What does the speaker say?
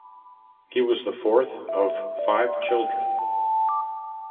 He was the fourth of five children.